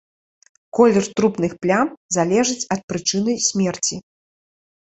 Колер трупных плям залежыць ад прычыны смерці.